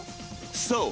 そう！